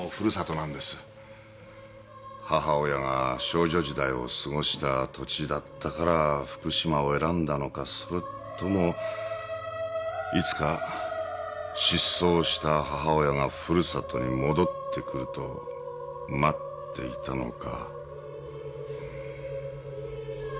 母親が少女時代を過ごした土地だったから福島を選んだのかそれともいつか失踪した母親がふるさとに戻ってくると待っていたのか。